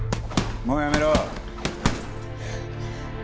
もうやめろ。